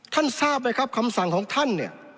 ท่านทราบไหมครับคำสั่งของท่าน